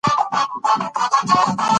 سوله لا لرې ښکاري.